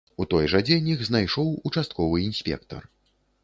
У той жа дзень іх знайшоў участковы інспектар.